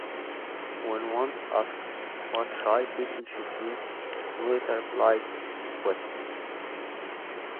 When once asked what shy people should do, Morita replied, Sweat.